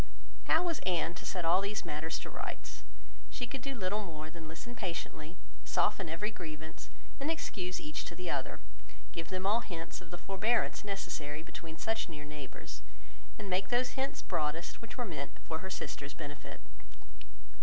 How was Anne to set all these matters to rights? She could do little more than listen patiently, soften every grievance, and excuse each to the other; give them all hints of the forbearance necessary between such near neighbours, and make those hints broadest which were meant for her sister's benefit.